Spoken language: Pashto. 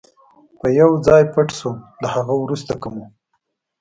به یو ځای پټ شو، له هغه وروسته که مو.